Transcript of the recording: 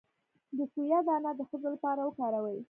د سویا دانه د ښځو لپاره وکاروئ